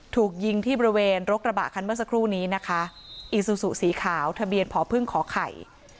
ถูกยิงที่บริเวณรถกระบะคันเมื่อสักครู่นี้นะคะอีซูซูสีขาวทะเบียนผอพึ่งขอไข่